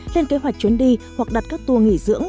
lên kế hoạch chuyến đi hoặc đặt các tour nghỉ dưỡng